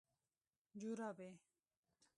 🧦جورابي